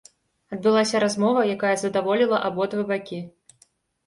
Адбылася размова, якая задаволіла абодва бакі.